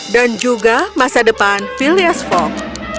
dan juga masa depan phileas fogg